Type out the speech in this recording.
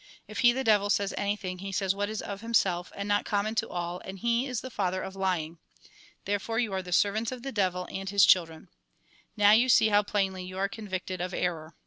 If he, the devil, says anything, he says what is of himself, and not common to all, and he is the father of lying. Therefore you are the ser vants of the devil and his children. Now you see how plainly you are convicted of error.